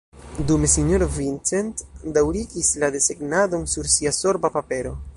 Dume sinjoro Vincent daŭrigis la desegnadon sur sia sorba papero.